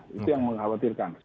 itu yang mengkhawatirkan